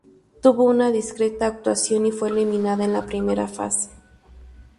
Tuvo una discreta actuación, y fue eliminada en la primera fase.